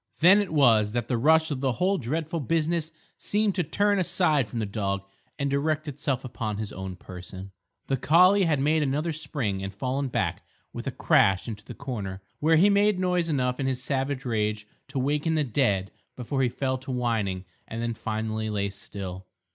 Then it was that the rush of the whole dreadful business seemed to turn aside from the dog and direct itself upon his own person. The collie had made another spring and fallen back with a crash into the corner, where he made noise enough in his savage rage to waken the dead before he fell to whining and then finally lay still.